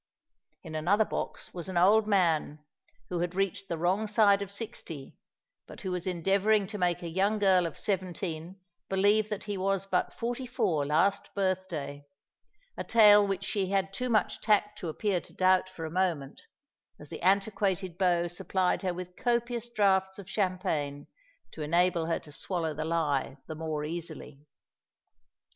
In another box was an old man, who had reached the wrong side of sixty, but who was endeavouring to make a young girl of seventeen believe that he was but forty four last birth day,—a tale which she had too much tact to appear to doubt for a moment, as the antiquated beau supplied her with copious draughts of champagne to enable her to swallow the lie the more easily.